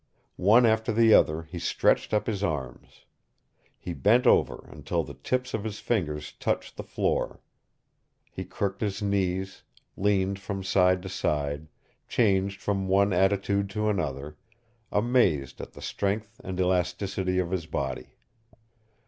One after the other he stretched up his arms. He bent over until the tips of his fingers touched the floor. He crooked his knees, leaned from side to side, changed from one attitude to another, amazed at the strength and elasticity of his body.